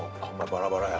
バラバラや。